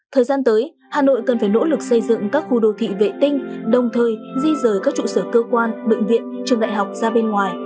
thời gian tới hà nội cần phải nỗ lực xây dựng các khu đô thị vệ tinh đồng thời di rời các trụ sở cơ quan bệnh viện trường đại học ra bên ngoài